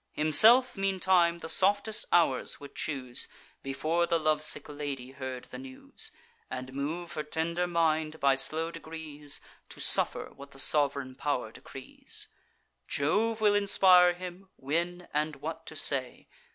Himself, meantime, the softest hours would choose, Before the love sick lady heard the news; And move her tender mind, by slow degrees, To suffer what the sov'reign pow'r decrees: Jove will inspire him, when, and what to say.